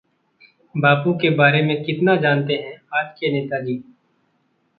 बापू के बारे में कितना जानते हैं आज के नेताजी?